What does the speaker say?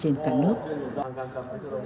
hãy đăng ký kênh để ủng hộ kênh của mình nhé